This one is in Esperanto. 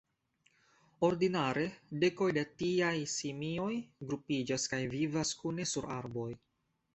Ordinare dekoj da tiaj simioj grupiĝas kaj vivas kune sur arboj.